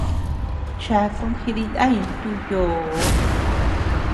Chakun jidinay ntu yoo.